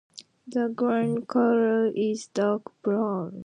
The ground colour is dark brown.